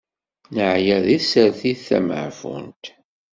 Neɛya si tsertit tameɛfunt.